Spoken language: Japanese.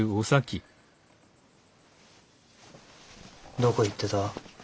どこ行ってた？